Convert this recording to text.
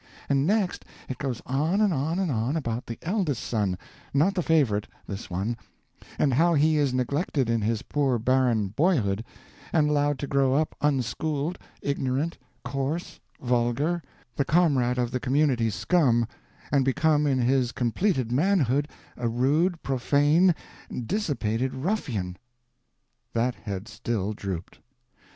"And next it goes on and on and on about the eldest son—not the favorite, this one—and how he is neglected in his poor barren boyhood, and allowed to grow up unschooled, ignorant, coarse, vulgar, the comrade of the community's scum, and become in his completed manhood a rude, profane, dissipated ruffian—" That head still drooped!